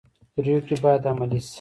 پریکړې باید عملي شي